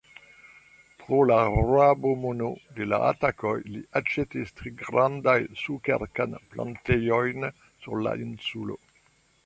Per la rabo-mono de la atakoj li aĉetis tri grandajn sukerkan-plantejojn sur la insulo.